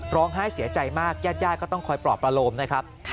ร้องไห้เสียใจมากญาติก็ต้องคอยปลอบประโลมนะครับ